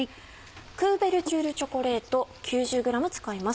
クーベルチュールチョコレート９０ｇ使います。